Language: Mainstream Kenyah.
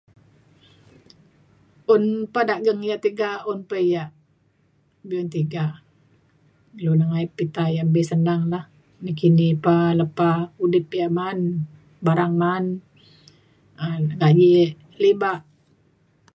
un pa dageng yak tiga un pa yak be’un tiga. ilu nengayet pita yak mbi senang lah. nakini pa lepa udip ya ma’an barang ma’an um gaji libak